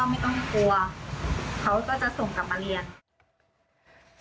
เขาก็จะส่งกลับมาเรียน